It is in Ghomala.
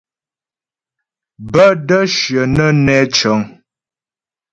Bə́ də́ shyə nə́ nɛ cə̂ŋ.